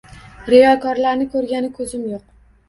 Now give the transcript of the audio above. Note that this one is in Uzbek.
Riyokorlarni ko'rgani ko'zim yo'q.